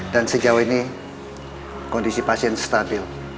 dan sejauh ini kondisi pasien stabil